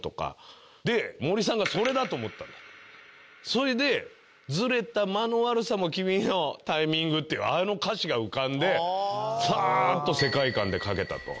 それで「ズレた間のワルさも君の“タイミング”」っていうあの歌詞が浮かんでサーッと世界観で書けたと。